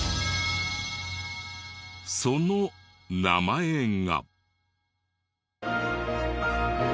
その名前が。